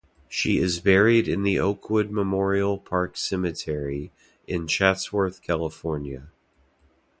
She is buried in the Oakwood Memorial Park Cemetery in Chatsworth, California.